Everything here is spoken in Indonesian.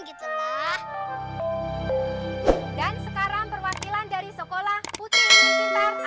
jangan ranyain obrolann wah